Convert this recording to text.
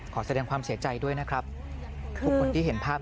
พี่กราว